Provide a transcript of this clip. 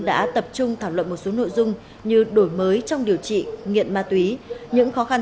đã tập trung thảo luận một số nội dung như đổi mới trong điều trị nghiện ma túy những khó khăn